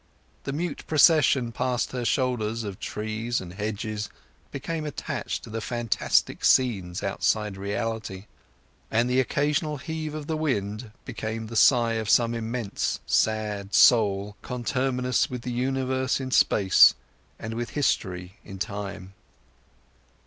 The mute procession past her shoulders of trees and hedges became attached to fantastic scenes outside reality, and the occasional heave of the wind became the sigh of some immense sad soul, conterminous with the universe in space, and with history in time.